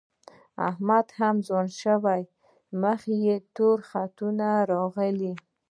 احمد هم ځوان شو، مخ یې تور خطونه راغلي